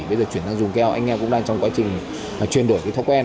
bây giờ chuyển sang dùng keo anh em cũng đang trong quá trình truyền đổi thói quen